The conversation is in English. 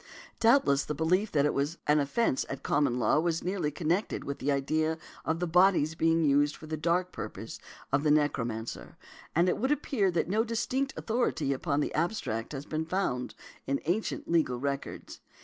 Doubtless the belief that it was an offence at Common Law was nearly connected |154| with the idea of the bodies being used for the dark purposes of the necromancer, and it would appear that no distinct authority upon the abstract point has been found in ancient legal records .